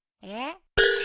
えっ！？